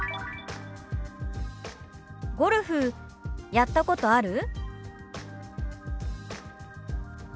「ゴルフやったことある？」。